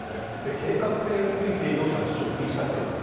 計画性について両者の主張が食い違っています。